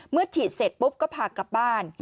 ฉีดเสร็จปุ๊บก็พากลับบ้าน